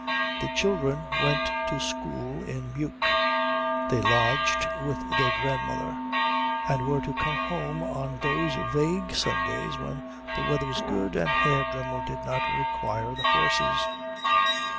The children went to school in Meuk. They lodged with their grandmother, and were to come home on those vague Sundays when the weather was good and Herr Dremmel did not require the horses.